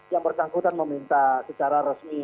yang bersangkutan meminta secara resmi